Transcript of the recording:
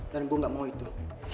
dan gue gak mau itu